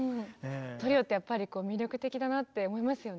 トリオってやっぱり魅力的だなって思いますよね。